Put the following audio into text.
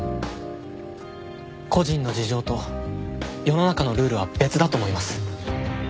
個人の事情と世の中のルールは別だと思います。